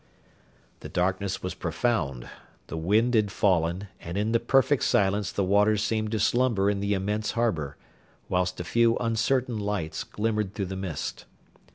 The darkness was profound; the wind had fallen, and in the perfect silence the waters seemed to slumber in the immense harbour, whilst a few uncertain lights glimmered through the mist.